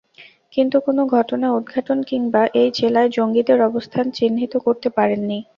কিন্তু কোনো ঘটনা উদ্ঘাটন কিংবা এই জেলায় জঙ্গিদের অবস্থান চিহ্নিত করতে পারেননি।